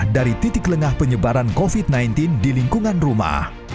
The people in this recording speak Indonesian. dari titik lengah penyebaran covid sembilan belas di lingkungan rumah